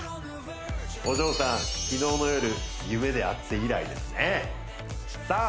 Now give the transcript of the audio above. お嬢さん昨日の夜夢で会って以来ですねさあ